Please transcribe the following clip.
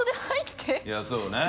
いそうね。